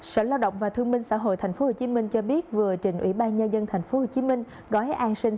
sở lao động và thương minh xã hội tp hcm cho biết vừa trình ủy ban nhân dân tp hcm gói an sinh